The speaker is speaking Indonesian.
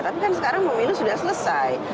tapi kan sekarang pemilu sudah selesai